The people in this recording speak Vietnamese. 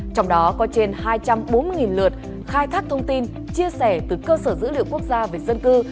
trong đó có trên hai trăm bốn mươi lượt khai thác thông tin chia sẻ từ cơ sở dữ liệu quốc gia về dân cư